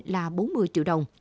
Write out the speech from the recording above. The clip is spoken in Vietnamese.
là bốn mươi triệu đồng